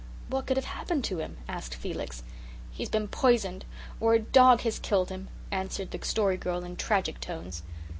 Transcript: "What could have happened to him?" asked Felix. "He's been poisoned or a dog has killed him," answered the Story Girl in tragic tones.